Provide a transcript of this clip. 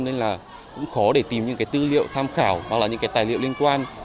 nên là cũng khó để tìm những tư liệu tham khảo hoặc là những tài liệu liên quan